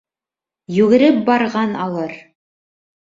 Йүгереп барған алыр.